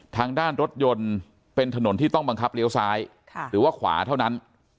ทางด้านรถยนต์เป็นถนนที่ต้องบังคับเลี้ยวซ้ายหรือว่าขวาเท่านั้น